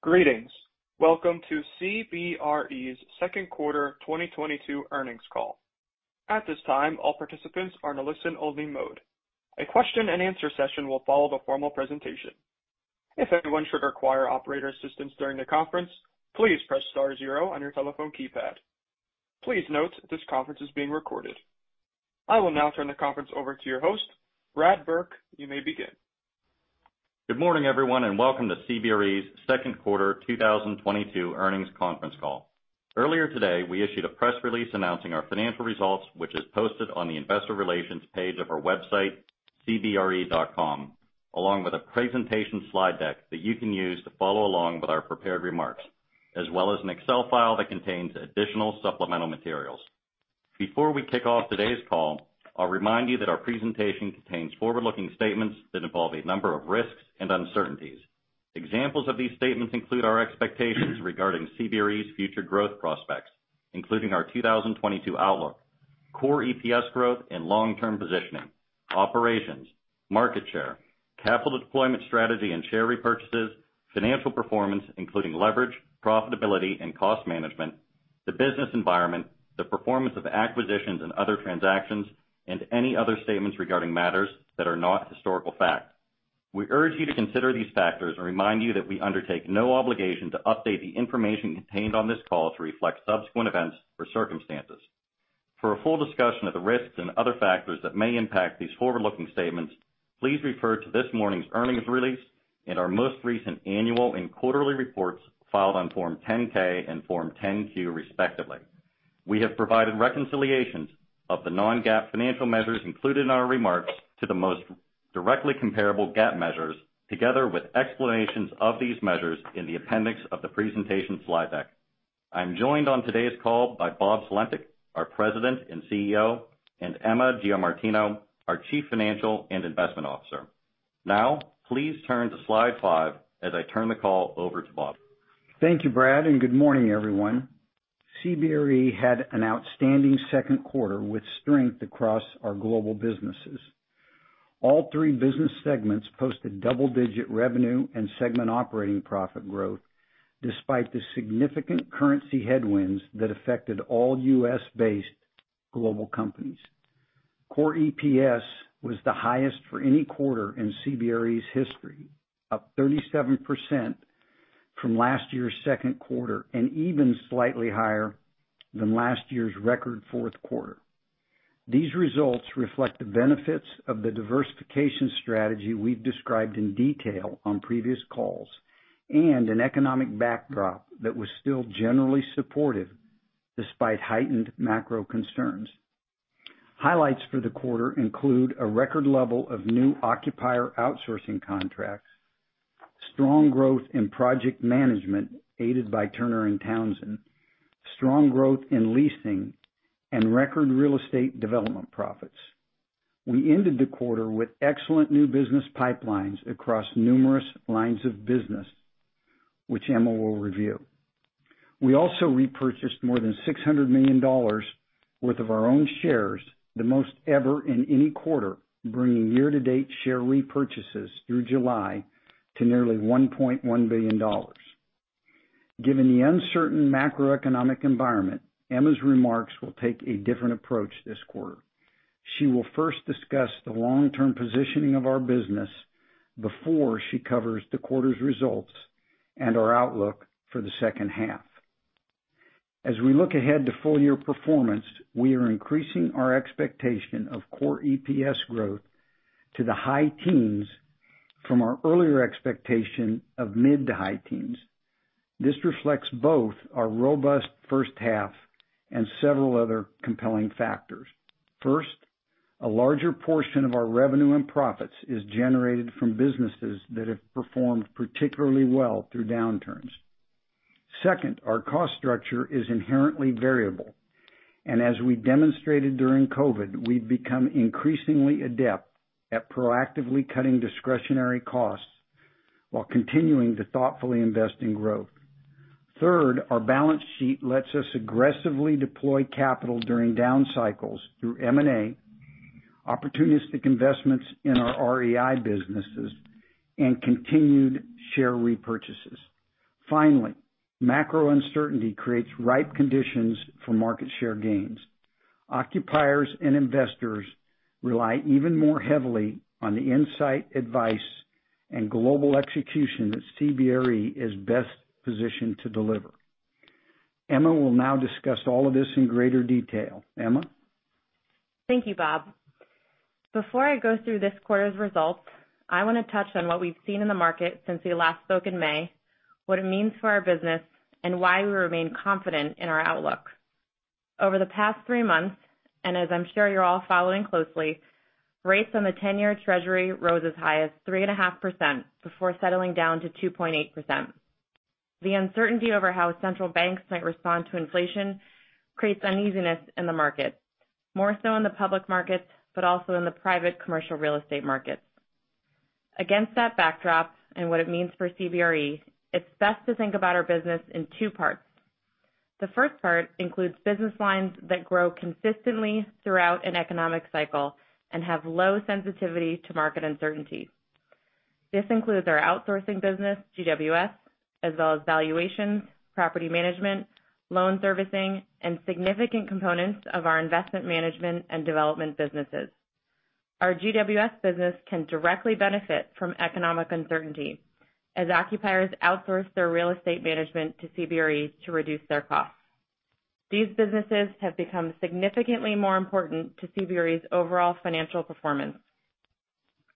Greetings. Welcome to CBRE's second quarter 2022 earnings call. At this time, all participants are in a listen-only mode. A question and answer session will follow the formal presentation. If anyone should require operator assistance during the conference, please press star zero on your telephone keypad. Please note, this conference is being recorded. I will now turn the conference over to your host, Brad Burke. You may begin. Good morning, everyone, and welcome to CBRE's second quarter 2022 earnings conference call. Earlier today, we issued a press release announcing our financial results, which is posted on the investor relations page of our website, cbre.com, along with a presentation slide deck that you can use to follow along with our prepared remarks, as well as an Excel file that contains additional supplemental materials. Before we kick off today's call, I'll remind you that our presentation contains forward-looking statements that involve a number of risks and uncertainties. Examples of these statements include our expectations regarding CBRE's future growth prospects, including our 2022 outlook, Core EPS growth and long-term positioning, operations, market share, capital deployment strategy and share repurchases, financial performance, including leverage, profitability, and cost management, the business environment, the performance of acquisitions and other transactions, and any other statements regarding matters that are not historical fact. We urge you to consider these factors and remind you that we undertake no obligation to update the information contained on this call to reflect subsequent events or circumstances. For a full discussion of the risks and other factors that may impact these forward-looking statements, please refer to this morning's earnings release and our most recent annual and quarterly reports filed on Form 10-K and Form 10-Q, respectively. We have provided reconciliations of the non-GAAP financial measures included in our remarks to the most directly comparable GAAP measures, together with explanations of these measures in the appendix of the presentation slide deck. I'm joined on today's call by Bob Sulentic, our President and CEO, and Emma Giamartino, our Chief Financial and Investment Officer. Now, please turn to slide five as I turn the call over to Bob. Thank you, Brad, and good morning, everyone. CBRE had an outstanding second quarter with strength across our global businesses. All three business segments posted double-digit revenue and segment operating profit growth, despite the significant currency headwinds that affected all U.S.-based global companies. Core EPS was the highest for any quarter in CBRE's history, up 37% from last year's second quarter, and even slightly higher than last year's record fourth quarter. These results reflect the benefits of the diversification strategy we've described in detail on previous calls and an economic backdrop that was still generally supportive despite heightened macro concerns. Highlights for the quarter include a record level of new occupier outsourcing contracts, strong growth in project management aided by Turner & Townsend, strong growth in leasing and record real estate development profits. We ended the quarter with excellent new business pipelines across numerous lines of business, which Emma will review. We also repurchased more than $600 million worth of our own shares, the most ever in any quarter, bringing year-to-date share repurchases through July to nearly $1.1 billion. Given the uncertain macroeconomic environment, Emma's remarks will take a different approach this quarter. She will first discuss the long-term positioning of our business before she covers the quarter's results and our outlook for the second half. As we look ahead to full-year performance, we are increasing our expectation of Core EPS growth to the high teens from our earlier expectation of mid to high teens. This reflects both our robust first half and several other compelling factors. First, a larger portion of our revenue and profits is generated from businesses that have performed particularly well through downturns. Second, our cost structure is inherently variable, and as we demonstrated during COVID, we've become increasingly adept at proactively cutting discretionary costs while continuing to thoughtfully invest in growth. Third, our balance sheet lets us aggressively deploy capital during down cycles through M&A, opportunistic investments in our REI businesses, and continued share repurchases. Finally, macro uncertainty creates ripe conditions for market share gains. Occupiers and investors rely even more heavily on the insight, advice, and global execution that CBRE is best positioned to deliver. Emma will now discuss all of this in greater detail. Emma? Thank you, Bob. Before I go through this quarter's results, I want to touch on what we've seen in the market since we last spoke in May, what it means for our business, and why we remain confident in our outlook. Over the past three months, and as I'm sure you're all following closely, rates on the 10-year Treasury rose as high as 3.5% before settling down to 2.8%. The uncertainty over how central banks might respond to inflation creates uneasiness in the market, more so in the public markets, but also in the private commercial real estate markets. Against that backdrop and what it means for CBRE, it's best to think about our business in two parts. The first part includes business lines that grow consistently throughout an economic cycle and have low sensitivity to market uncertainty. This includes our outsourcing business, GWS, as well as valuations, property management, loan servicing, and significant components of our investment management and development businesses. Our GWS business can directly benefit from economic uncertainty as occupiers outsource their real estate management to CBRE to reduce their costs. These businesses have become significantly more important to CBRE's overall financial performance.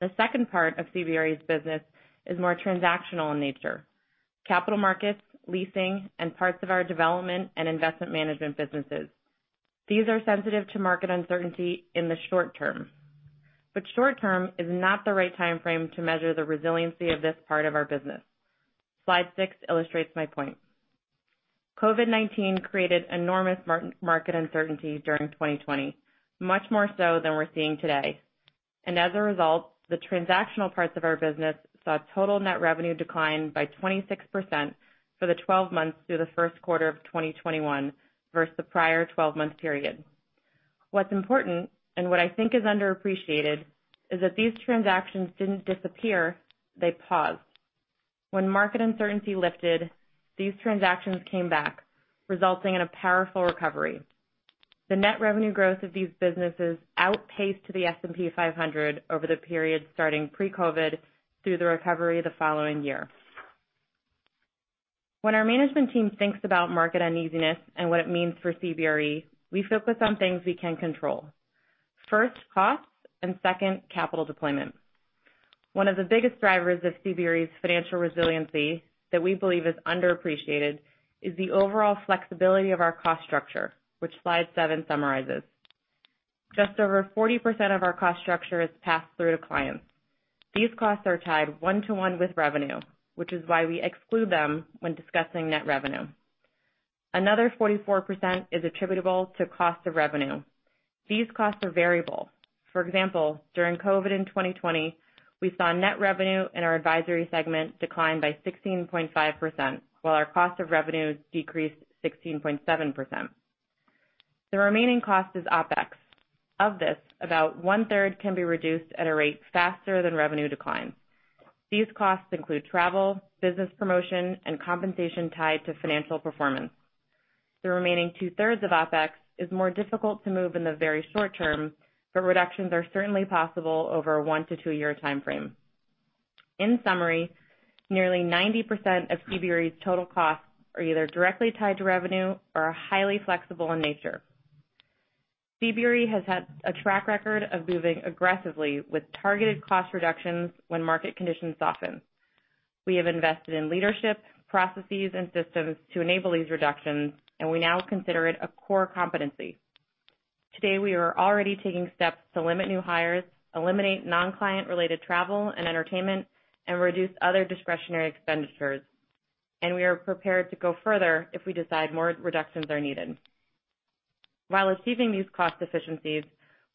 The second part of CBRE's business is more transactional in nature. Capital markets, leasing, and parts of our development and investment management businesses. These are sensitive to market uncertainty in the short term. Short term is not the right time frame to measure the resiliency of this part of our business. Slide 6 illustrates my point. COVID-19 created enormous market uncertainty during 2020, much more so than we're seeing today. As a result, the transactional parts of our business saw total net revenue decline by 26% for the 12 months through the first quarter of 2021 versus the prior 12-month period. What's important, and what I think is underappreciated, is that these transactions didn't disappear, they paused. When market uncertainty lifted, these transactions came back, resulting in a powerful recovery. The net revenue growth of these businesses outpaced the S&P 500 over the period starting pre-COVID through the recovery the following year. When our management team thinks about market uneasiness and what it means for CBRE, we focus on things we can control. First, costs, and second, capital deployment. One of the biggest drivers of CBRE's financial resiliency that we believe is underappreciated is the overall flexibility of our cost structure, which slide 7 summarizes. Just over 40% of our cost structure is passed through to clients. These costs are tied one-to-one with revenue, which is why we exclude them when discussing net revenue. Another 44% is attributable to cost of revenue. These costs are variable. For example, during COVID-19 in 2020, we saw net revenue in our advisory segment decline by 16.5%, while our cost of revenue decreased 16.7%. The remaining cost is OpEx. Of this, about 1/3 can be reduced at a rate faster than revenue decline. These costs include travel, business promotion, and compensation tied to financial performance. The remaining 2/3 of OpEx is more difficult to move in the very short term, but reductions are certainly possible over a 1 to 2-year timeframe. In summary, nearly 90% of CBRE's total costs are either directly tied to revenue or are highly flexible in nature. CBRE has had a track record of moving aggressively with targeted cost reductions when market conditions soften. We have invested in leadership, processes, and systems to enable these reductions, and we now consider it a core competency. Today, we are already taking steps to limit new hires, eliminate non-client related travel and entertainment, and reduce other discretionary expenditures. We are prepared to go further if we decide more reductions are needed. While achieving these cost efficiencies,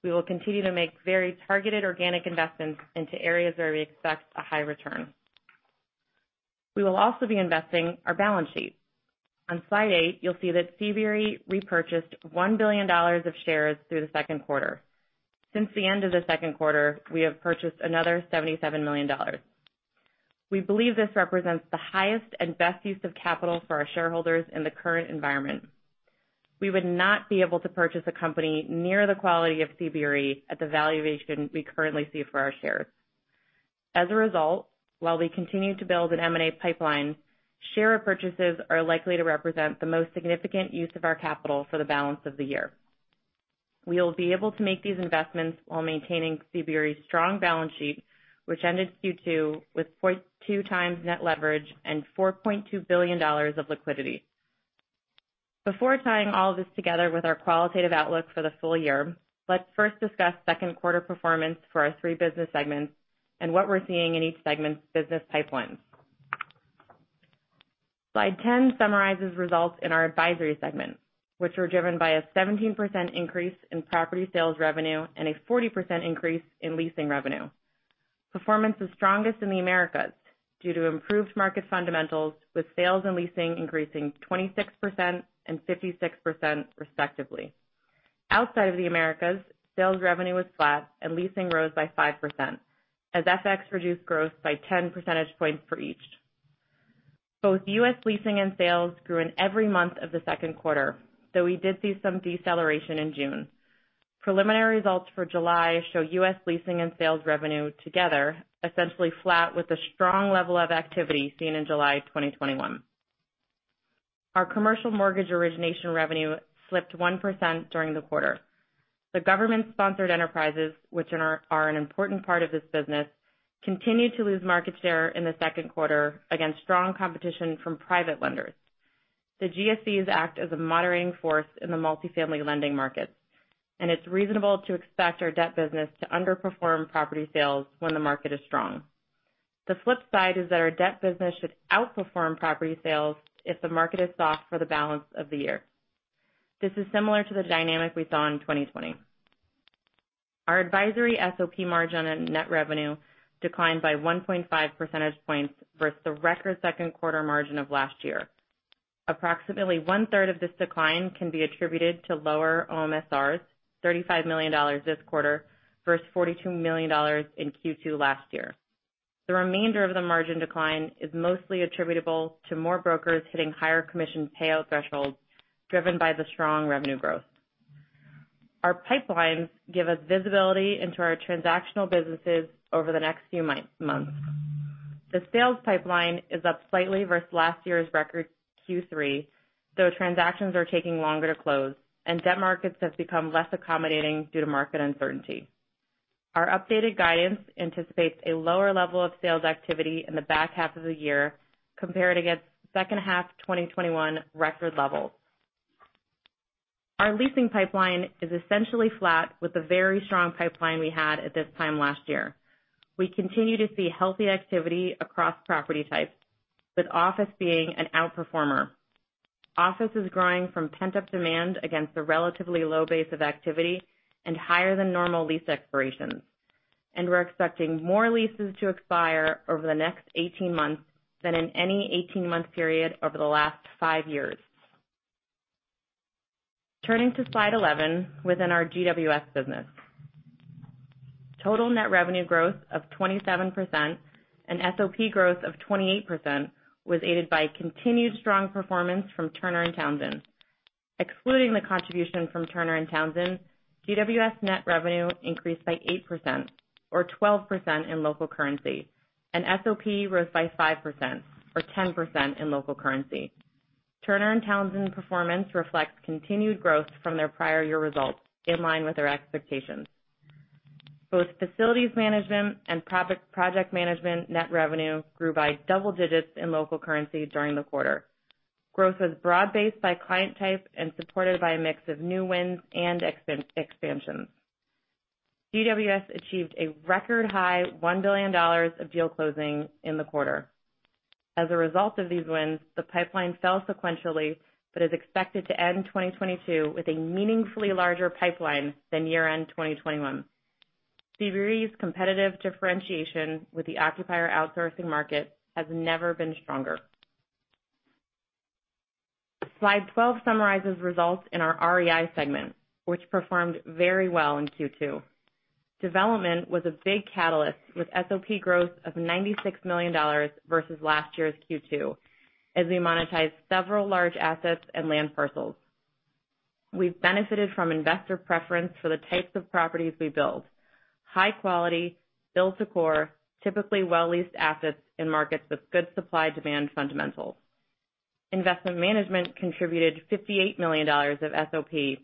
we will continue to make very targeted organic investments into areas where we expect a high return. We will also be investing our balance sheet. On slide 8, you'll see that CBRE repurchased $1 billion of shares through the second quarter. Since the end of the second quarter, we have purchased another $77 million. We believe this represents the highest and best use of capital for our shareholders in the current environment. We would not be able to purchase a company near the quality of CBRE at the valuation we currently see for our shares. As a result, while we continue to build an M&A pipeline, share repurchases are likely to represent the most significant use of our capital for the balance of the year. We will be able to make these investments while maintaining CBRE's strong balance sheet, which ended Q2 with 0.2x net leverage and $4.2 billion of liquidity. Before tying all this together with our qualitative outlook for the full year, let's first discuss second quarter performance for our three business segments and what we're seeing in each segment's business pipelines. Slide 10 summarizes results in our advisory segment, which were driven by a 17% increase in property sales revenue and a 40% increase in leasing revenue. Performance was strongest in the Americas due to improved market fundamentals, with sales and leasing increasing 26% and 56% respectively. Outside of the Americas, sales revenue was flat and leasing rose by 5%, as FX reduced growth by 10 percentage points for each. Both US leasing and sales grew in every month of the second quarter, though we did see some deceleration in June. Preliminary results for July show US leasing and sales revenue together essentially flat with the strong level of activity seen in July 2021. Our commercial mortgage origination revenue slipped 1% during the quarter. The government-sponsored enterprises, which are an important part of this business, continued to lose market share in the second quarter against strong competition from private lenders. The GSEs act as a moderating force in the multifamily lending markets, and it's reasonable to expect our debt business to underperform property sales when the market is strong. The flip side is that our debt business should outperform property sales if the market is soft for the balance of the year. This is similar to the dynamic we saw in 2020. Our advisory SOP margin and net revenue declined by 1.5 percentage points versus the record second quarter margin of last year. Approximately 1/3 of this decline can be attributed to lower OMSRs, $35 million this quarter versus $42 million in Q2 last year. The remainder of the margin decline is mostly attributable to more brokers hitting higher commission payout thresholds driven by the strong revenue growth. Our pipelines give us visibility into our transactional businesses over the next few months. The sales pipeline is up slightly versus last year's record Q3, though transactions are taking longer to close and debt markets have become less accommodating due to market uncertainty. Our updated guidance anticipates a lower level of sales activity in the back half of the year compared against second half 2021 record levels. Our leasing pipeline is essentially flat with a very strong pipeline we had at this time last year. We continue to see healthy activity across property types, with office being an outperformer. Office is growing from pent-up demand against a relatively low base of activity and higher than normal lease expirations. We're expecting more leases to expire over the next 18 months than in any 18-month period over the last five years. Turning to slide 11 within our GWS business. Total net revenue growth of 27% and SOP growth of 28% was aided by continued strong performance from Turner & Townsend. Excluding the contribution from Turner & Townsend, GWS net revenue increased by 8% or 12% in local currency, and SOP rose by 5% or 10% in local currency. Turner & Townsend performance reflects continued growth from their prior year results in line with our expectations. Both facilities management and project management net revenue grew by double digits in local currency during the quarter. Growth was broad-based by client type and supported by a mix of new wins and expansions. GWS achieved a record high $1 billion of deal closing in the quarter. As a result of these wins, the pipeline fell sequentially, but is expected to end 2022 with a meaningfully larger pipeline than year-end 2021. CBRE's competitive differentiation with the occupier outsourcing market has never been stronger. Slide 12 summarizes results in our REI segment, which performed very well in Q2. Development was a big catalyst, with SOP growth of $96 million versus last year's Q2 as we monetized several large assets and land parcels. We've benefited from investor preference for the types of properties we build. High quality, built to core, typically well leased assets in markets with good supply demand fundamentals. Investment management contributed $58 million of SOP,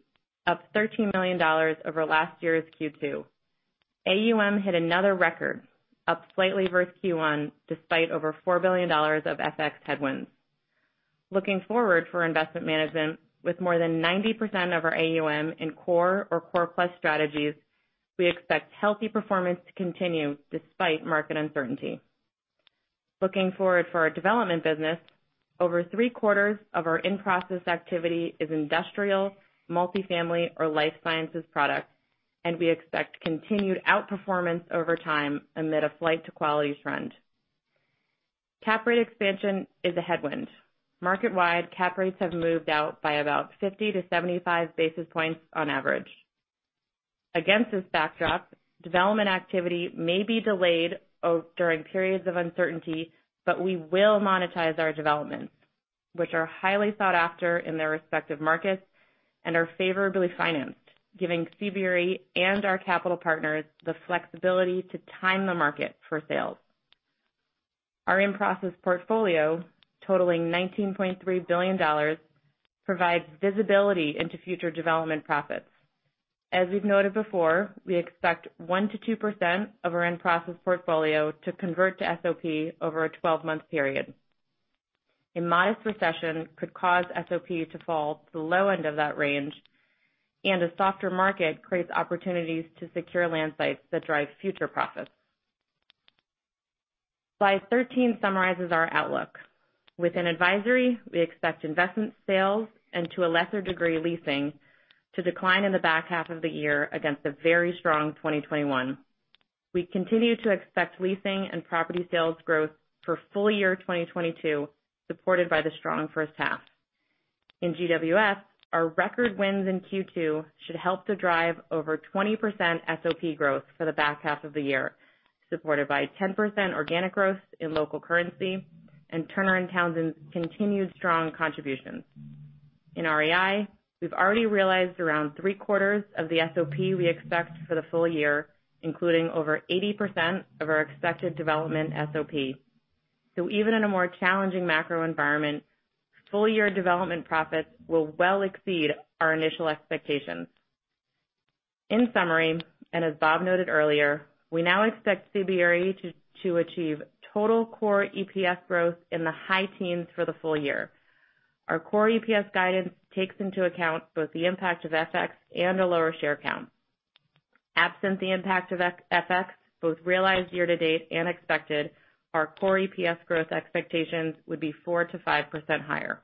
up $13 million over last year's Q2. AUM hit another record, up slightly versus Q1, despite over $4 billion of FX headwinds. Looking forward for investment management, with more than 90% of our AUM in core or core plus strategies, we expect healthy performance to continue despite market uncertainty. Looking forward for our development business, over three-quarters of our in-process activity is industrial, multi-family or life sciences products, and we expect continued outperformance over time amid a flight to quality trend. Cap rate expansion is a headwind. Market-wide cap rates have moved out by about 50-75 basis points on average. Against this backdrop, development activity may be delayed, during periods of uncertainty, but we will monetize our developments, which are highly sought after in their respective markets and are favorably financed, giving CBRE and our capital partners the flexibility to time the market for sales. Our in-process portfolio, totaling $19.3 billion, provides visibility into future development profits. As we've noted before, we expect 1%-2% of our in-process portfolio to convert to SOP over a 12-month period. A mild recession could cause SOP to fall to the low end of that range, and a softer market creates opportunities to secure land sites that drive future profits. Slide 13 summarizes our outlook. Within advisory, we expect investment sales and to a lesser degree, leasing to decline in the back half of the year against a very strong 2021. We continue to expect leasing and property sales growth for full year 2022, supported by the strong first half. In GWS, our record wins in Q2 should help to drive over 20% SOP growth for the back half of the year, supported by 10% organic growth in local currency and Turner & Townsend's continued strong contributions. In REI, we've already realized around three-quarters of the SOP we expect for the full year, including over 80% of our expected development SOP. Even in a more challenging macro environment, full year development profits will well exceed our initial expectations. In summary, and as Bob noted earlier, we now expect CBRE to achieve total core EPS growth in the high teens for the full year. Our core EPS guidance takes into account both the impact of FX and a lower share count. Absent the impact of ex-FX, both realized year-to-date and expected, our core EPS growth expectations would be 4%-5% higher.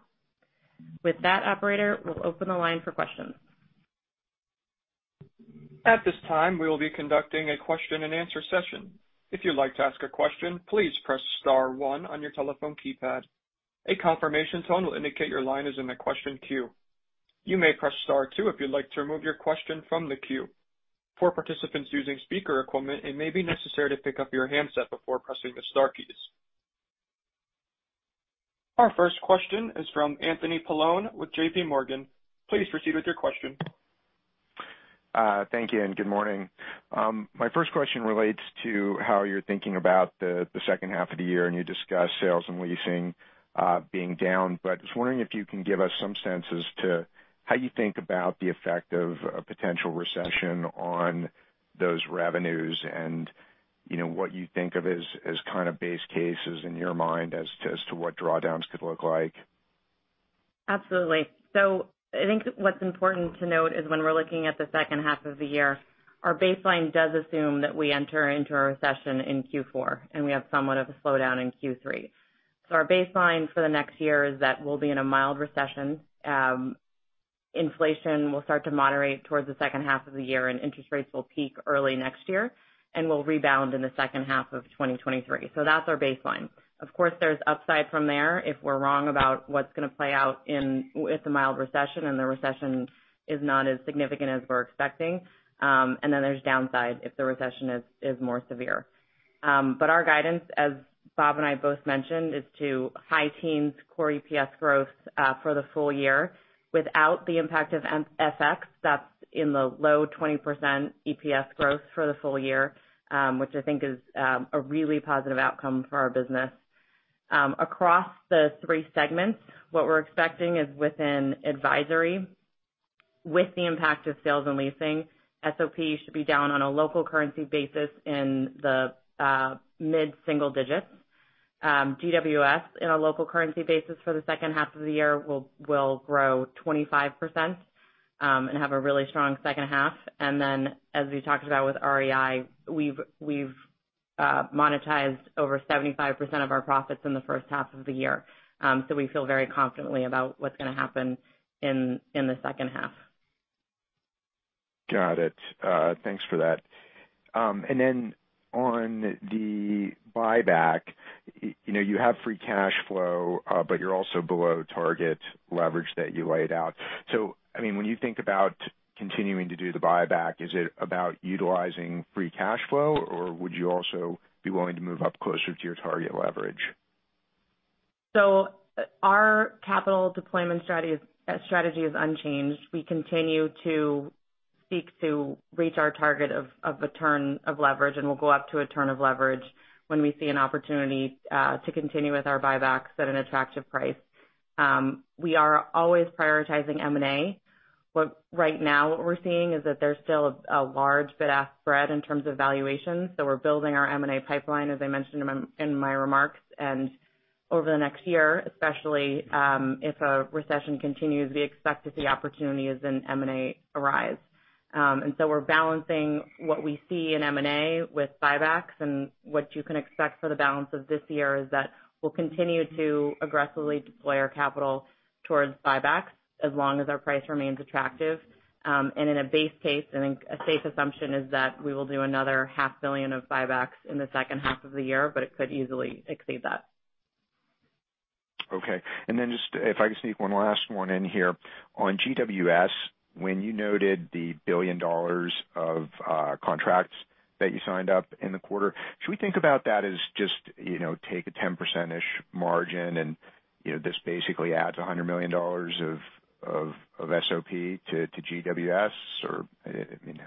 With that, operator, we'll open the line for questions. At this time, we will be conducting a question and answer session. If you'd like to ask a question, please press star one on your telephone keypad. A confirmation tone will indicate your line is in the question queue. You may press star two if you'd like to remove your question from the queue. For participants using speaker equipment, it may be necessary to pick up your handset before pressing the star keys. Our first question is from Anthony Paolone with JPMorgan. Please proceed with your question. Thank you, and good morning. My first question relates to how you're thinking about the second half of the year, and you discussed sales and leasing being down. I was wondering if you can give us some sense as to how you think about the effect of a potential recession on those revenues, and you know, what you think of as kind of base cases in your mind as to what drawdowns could look like. Absolutely. I think what's important to note is when we're looking at the second half of the year, our baseline does assume that we enter into a recession in Q4, and we have somewhat of a slowdown in Q3. Our baseline for the next year is that we'll be in a mild recession. Inflation will start to moderate towards the second half of the year, and interest rates will peak early next year, and we'll rebound in the second half of 2023. That's our baseline. Of course, there's upside from there if we're wrong about what's gonna play out in a mild recession, and the recession is not as significant as we're expecting. And then there's downside if the recession is more severe. Our guidance, as Bob and I both mentioned, is to high teens Core EPS growth for the full year. Without the impact of FX, that's in the low 20% EPS growth for the full year, which I think is a really positive outcome for our business. Across the three segments, what we're expecting is within advisory. With the impact of sales and leasing, SOP should be down on a local currency basis in the mid-single digits. GWS in a local currency basis for the second half of the year will grow 25%, and have a really strong second half. Then, as we talked about with REI, we've monetized over 75% of our profits in the first half of the year. We feel very confidently about what's gonna happen in the second half. Got it. Thanks for that. And then on the buyback, you know, you have free cash flow, but you're also below target leverage that you laid out. I mean, when you think about continuing to do the buyback, is it about utilizing free cash flow, or would you also be willing to move up closer to your target leverage? Our capital deployment strategy is unchanged. We continue to seek to reach our target of a turn of leverage, and we'll go up to a turn of leverage when we see an opportunity to continue with our buybacks at an attractive price. We are always prioritizing M&A. Right now, what we're seeing is that there's still a large bid ask spread in terms of valuations, so we're building our M&A pipeline, as I mentioned in my remarks. Over the next year, especially, if a recession continues, we expect that the opportunities in M&A arise. We're balancing what we see in M&A with buybacks. What you can expect for the balance of this year is that we'll continue to aggressively deploy our capital towards buybacks as long as our price remains attractive. In a base case, I think a safe assumption is that we will do another half billion of buybacks in the second half of the year, but it could easily exceed that. Okay. Just if I could sneak one last one in here. On GWS, when you noted the $1 billion of contracts that you signed up in the quarter, should we think about that as just, you know, take a 10%-ish margin and, you know, this basically adds $100 million of SOP to GWS? Or, I mean,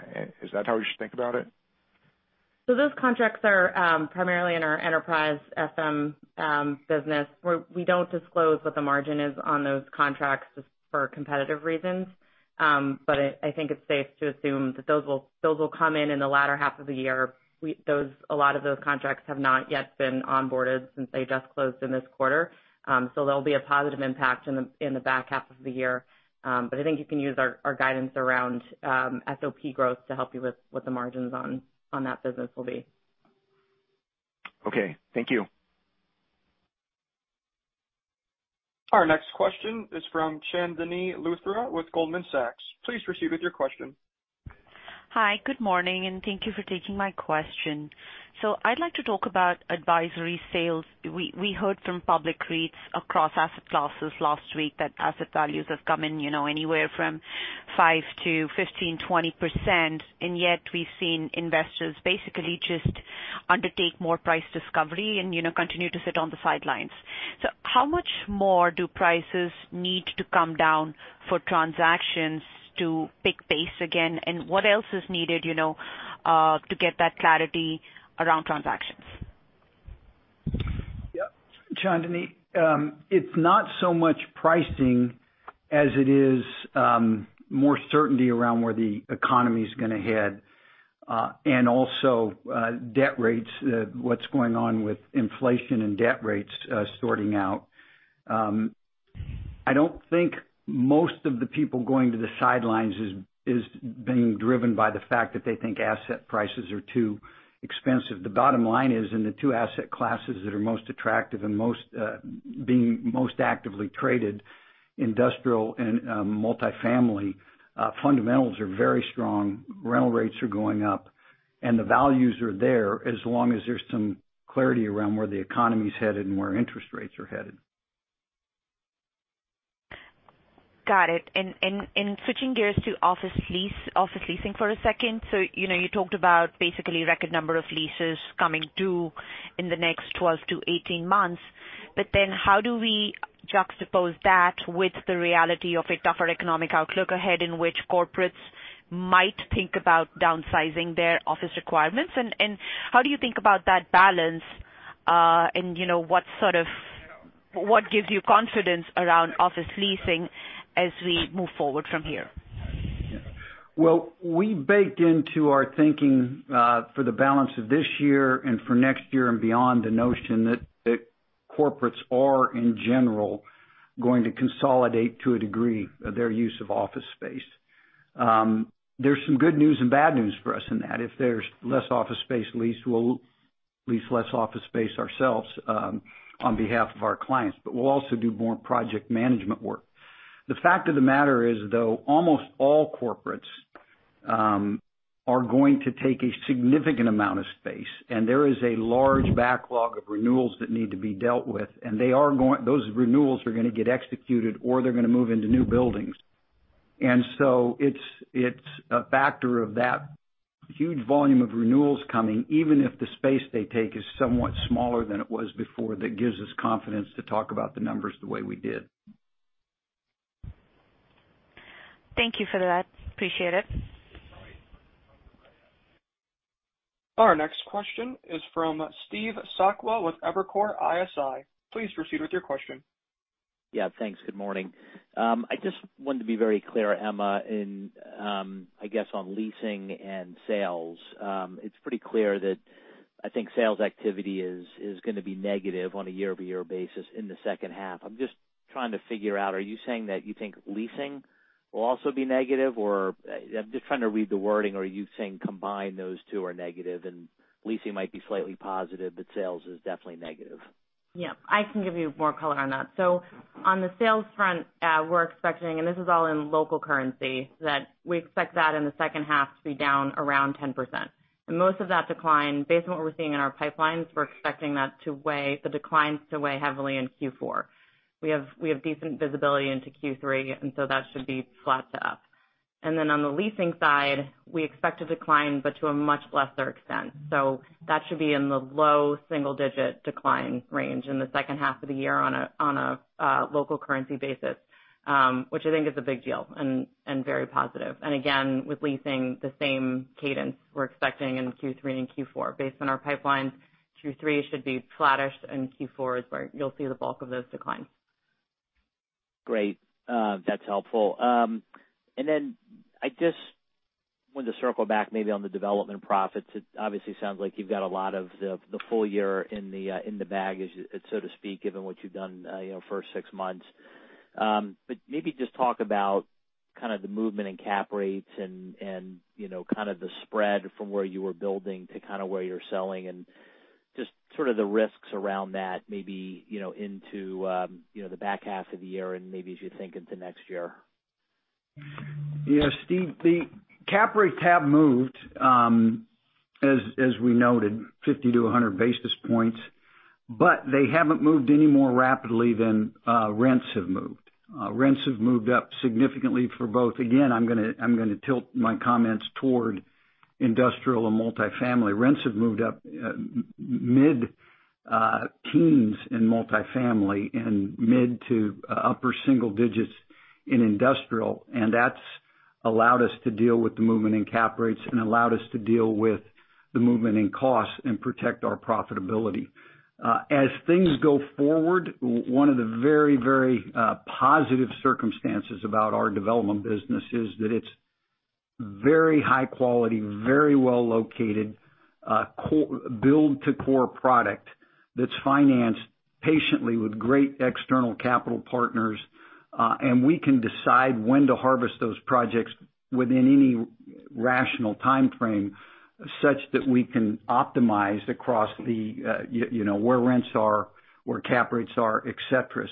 is that how we should think about it? Those contracts are primarily in our Enterprise FM business, where we don't disclose what the margin is on those contracts just for competitive reasons. I think it's safe to assume that those will come in in the latter half of the year. A lot of those contracts have not yet been onboarded since they just closed in this quarter. There'll be a positive impact in the back half of the year. I think you can use our guidance around SOP growth to help you with what the margins on that business will be. Okay. Thank you. Our next question is from Chandni Luthra with Goldman Sachs. Please proceed with your question. Hi. Good morning, and thank you for taking my question. I'd like to talk about advisory sales. We heard from public REITs across asset classes last week that asset values have come in, you know, anywhere from 5%-20%. Yet we've seen investors basically just undertake more price discovery and, you know, continue to sit on the sidelines. How much more do prices need to come down for transactions to pick pace again? And what else is needed, you know, to get that clarity around transactions? Yeah. Chandni, it's not so much pricing as it is more certainty around where the economy's gonna head, and also debt rates, what's going on with inflation and debt rates, sorting out. I don't think most of the people going to the sidelines is being driven by the fact that they think asset prices are too expensive. The bottom line is in the two asset classes that are most attractive and being most actively traded, industrial and multifamily, fundamentals are very strong, rental rates are going up, and the values are there as long as there's some clarity around where the economy's headed and where interest rates are headed. Got it. Switching gears to office leasing for a second. You know, you talked about basically record number of leases coming due in the next 12 to 18 months, but then how do we juxtapose that with the reality of a tougher economic outlook ahead in which corporates might think about downsizing their office requirements? How do you think about that balance, and you know, what gives you confidence around office leasing as we move forward from here? Well, we baked into our thinking for the balance of this year and for next year and beyond the notion that the corporates are, in general, going to consolidate to a degree of their use of office space. There's some good news and bad news for us in that. If there's less office space lease, we'll lease less office space ourselves on behalf of our clients, but we'll also do more project management work. The fact of the matter is, though, almost all corporates are going to take a significant amount of space, and there is a large backlog of renewals that need to be dealt with, those renewals are gonna get executed or they're gonna move into new buildings. It's a factor of that huge volume of renewals coming, even if the space they take is somewhat smaller than it was before. That gives us confidence to talk about the numbers the way we did. Thank you for that. Appreciate it. Our next question is from Steve Sakwa with Evercore ISI. Please proceed with your question. Yeah. Thanks. Good morning. I just wanted to be very clear, Emma, in, I guess, on leasing and sales. It's pretty clear that I think sales activity is gonna be negative on a year-over-year basis in the second half. I'm just trying to figure out, are you saying that you think leasing will also be negative? Or, I'm just trying to read the wording. Are you saying combined, those two are negative and leasing might be slightly positive, but sales is definitely negative? Yeah. I can give you more color on that. On the sales front, we're expecting, and this is all in local currency, that we expect that in the second half to be down around 10%. Most of that decline, based on what we're seeing in our pipelines, we're expecting the declines to weigh heavily in Q4. We have decent visibility into Q3, that should be flat to up. On the leasing side, we expect a decline but to a much lesser extent. That should be in the low single-digit decline range in the second half of the year on a local currency basis, which I think is a big deal and very positive. With leasing, the same cadence we're expecting in Q3 and Q4. Based on our pipelines, Q3 should be flattish, and Q4 is where you'll see the bulk of those declines. Great. That's helpful. Then I just want to circle back maybe on the development profits. It obviously sounds like you've got a lot of the full year in the bag, so to speak, given what you've done, you know, first six months. Maybe just talk about kind of the movement in cap rates and you know, kind of the spread from where you were building to kinda where you're selling and just sort of the risks around that maybe, you know, into the back half of the year and maybe as you think into next year. Yeah, Steve, the cap rates have moved, as we noted, 50 to 100 basis points, but they haven't moved any more rapidly than rents have moved. Rents have moved up significantly for both. Again, I'm gonna tilt my comments toward industrial and multifamily. Rents have moved up mid-teens in multifamily and mid to upper single digits in industrial, and that's allowed us to deal with the movement in cap rates and allowed us to deal with the movement in costs and protect our profitability. As things go forward, one of the very positive circumstances about our development business is that it's very high quality, very well located, build-to-core product that's financed patiently with great external capital partners, and we can decide when to harvest those projects within any rational timeframe such that we can optimize across the, you know, where rents are, where cap rates are, et cetera.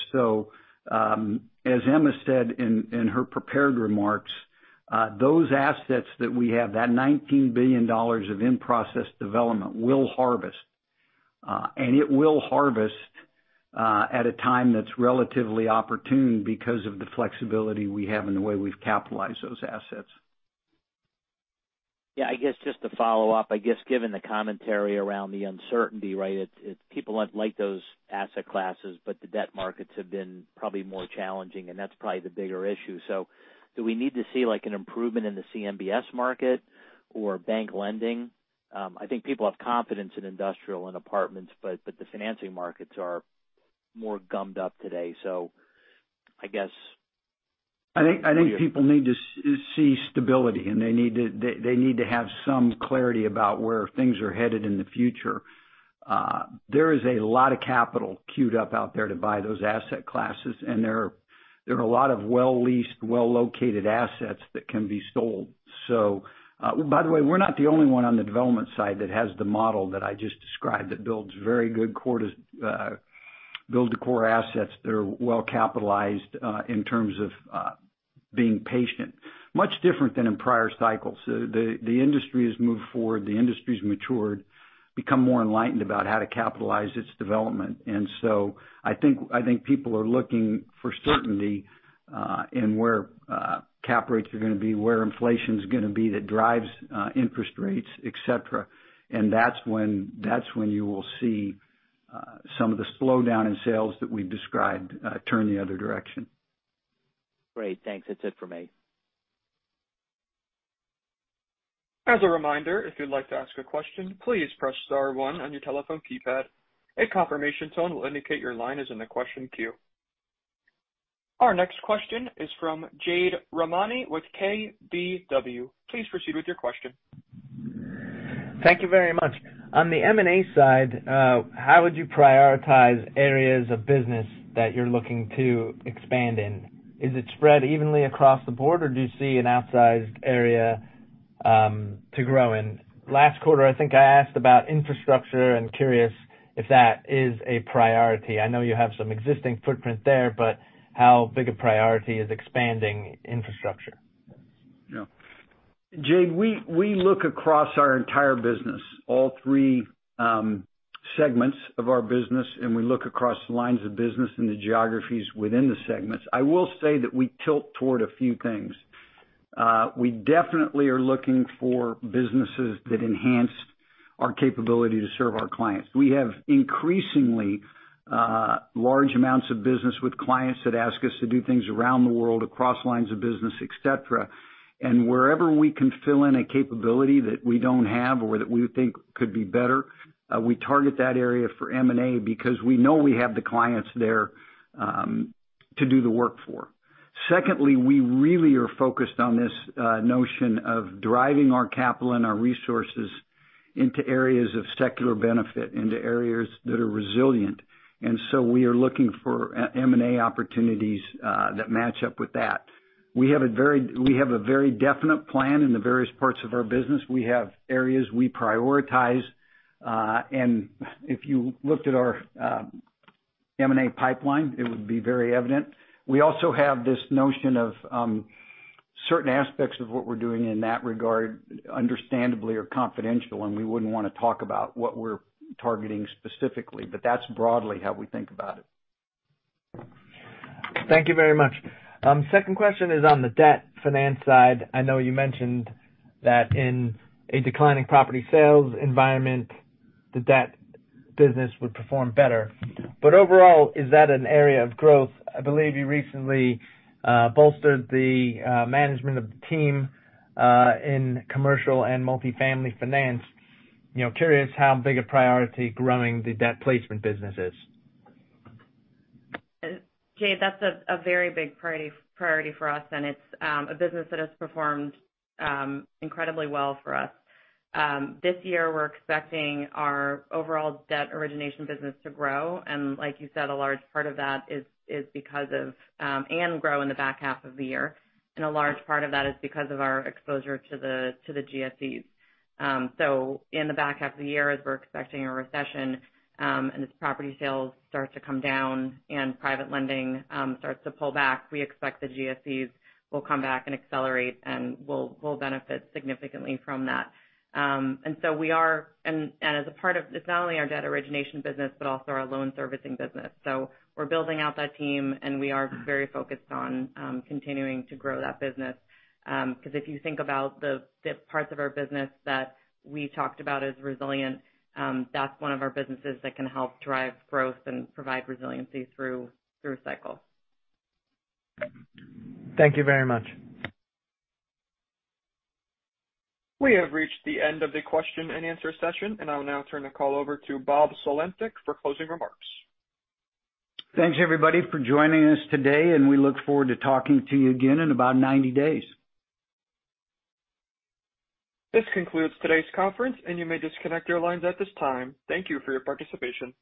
As Emma said in her prepared remarks, those assets that we have, that $19 billion of in-process development will harvest at a time that's relatively opportune because of the flexibility we have and the way we've capitalized those assets. Yeah, I guess just to follow up. I guess, given the commentary around the uncertainty, right, people have liked those asset classes, but the debt markets have been probably more challenging, and that's probably the bigger issue. Do we need to see, like, an improvement in the CMBS market or bank lending? I think people have confidence in industrial and apartments, but the financing markets are more gummed up today. I guess- I think people need to see stability, and they need to have some clarity about where things are headed in the future. There is a lot of capital queued up out there to buy those asset classes, and there are a lot of well-leased, well-located assets that can be sold. By the way, we're not the only one on the development side that has the model that I just described that builds the core assets that are well-capitalized in terms of being patient. Much different than in prior cycles. The industry has moved forward, the industry's matured, become more enlightened about how to capitalize its development. I think people are looking for certainty in where cap rates are gonna be, where inflation's gonna be, that drives interest rates, et cetera. That's when you will see some of the slowdown in sales that we've described turn the other direction. Great. Thanks. That's it for me. As a reminder, if you'd like to ask a question, please press star one on your telephone keypad. A confirmation tone will indicate your line is in the question queue. Our next question is from Jade Rahmani with KBW. Please proceed with your question. Thank you very much. On the M&A side, how would you prioritize areas of business that you're looking to expand in? Is it spread evenly across the board, or do you see an outsized area to grow in? Last quarter, I think I asked about infrastructure. I'm curious if that is a priority. I know you have some existing footprint there, but how big a priority is expanding infrastructure? Yeah. Jade, we look across our entire business, all three segments of our business, and we look across lines of business and the geographies within the segments. I will say that we tilt toward a few things. We definitely are looking for businesses that enhance our capability to serve our clients. We have increasingly large amounts of business with clients that ask us to do things around the world, across lines of business, et cetera. Wherever we can fill in a capability that we don't have or that we think could be better, we target that area for M&A because we know we have the clients there to do the work for. Secondly, we really are focused on this notion of driving our capital and our resources into areas of secular benefit, into areas that are resilient. We are looking for M&A opportunities that match up with that. We have a very definite plan in the various parts of our business. We have areas we prioritize. If you looked at our M&A pipeline, it would be very evident. We also have this notion of certain aspects of what we're doing in that regard, understandably, are confidential, and we wouldn't wanna talk about what we're targeting specifically. That's broadly how we think about it. Thank you very much. Second question is on the debt finance side. I know you mentioned that in a declining property sales environment, the debt business would perform better. Overall, is that an area of growth? I believe you recently bolstered the management of the team in commercial and multifamily finance. You know, curious how big a priority growing the debt placement business is. Jade, that's a very big priority for us, and it's a business that has performed incredibly well for us. This year, we're expecting our overall debt origination business to grow in the back half of the year, and like you said, a large part of that is because of our exposure to the GSEs. In the back half of the year, as we're expecting a recession, and as property sales start to come down and private lending starts to pull back, we expect the GSEs will come back and accelerate, and we'll benefit significantly from that. It's not only our debt origination business, but also our loan servicing business. We're building out that team, and we are very focused on continuing to grow that business. 'Cause if you think about the parts of our business that we talked about as resilient, that's one of our businesses that can help drive growth and provide resiliency through cycles. Thank you very much. We have reached the end of the question and answer session, and I'll now turn the call over to Bob Sulentic for closing remarks. Thanks, everybody, for joining us today, and we look forward to talking to you again in about 90 days. This concludes today's conference, and you may disconnect your lines at this time. Thank you for your participation.